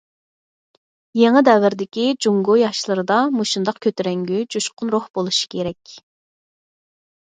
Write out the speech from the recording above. يېڭى دەۋردىكى جۇڭگو ياشلىرىدا مۇشۇنداق كۆتۈرەڭگۈ، جۇشقۇن روھ بولۇشى كېرەك.